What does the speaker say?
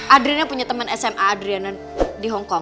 adriana punya temen sma adriana di hongkong